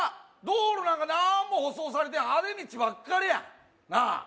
道路なんか何も舗装されてへんあぜ道ばっかりやなあ